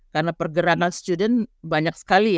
karena pergerakan student banyak sekali